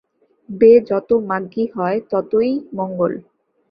বে যত মাগগি হয়, ততই মঙ্গল।